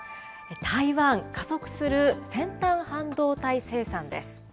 台湾、加速する先端半導体生産です。